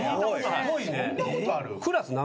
すごいね。